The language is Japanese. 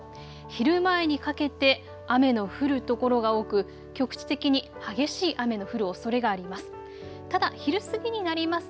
昼前にかけて雨の降る所が多く局地的に激しい雨の降るおそれがあります。